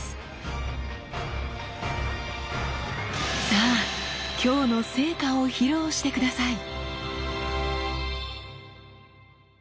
さあ今日の成果を披露して下さい！